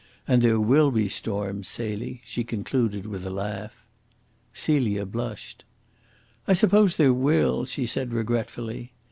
And there will be storms, Celie," she concluded, with a laugh. Celia blushed. "I suppose there will," she said regretfully.